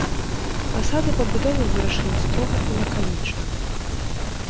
Фасады пабудовы вырашаны строга і лаканічна.